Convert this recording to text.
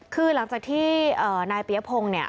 คือหลังจากที่นายเปียพงศ์เนี่ย